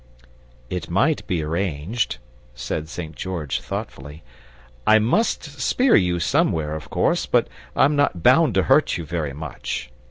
"It might be arranged," said St. George, thoughtfully. "I MUST spear you somewhere, of course, but I'm not bound to hurt you very much.